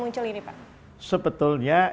muncul ini pak sebetulnya